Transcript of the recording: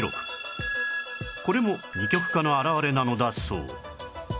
これも二極化の表れなのだそう